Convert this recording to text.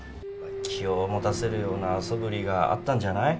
気を持たせるようなそぶりがあったんじゃない？